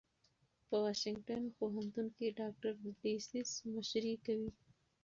په واشنګټن پوهنتون کې ډاکټر ډسیس مشري کوي.